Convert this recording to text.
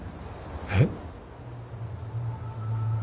えっ？